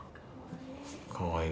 かわいい！